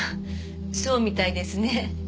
そうみたいですね。